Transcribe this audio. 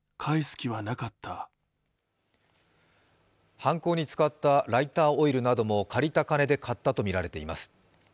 犯行に使ったライターオイルなども借りた金で買ったとみられています。